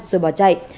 rồi bỏ chạy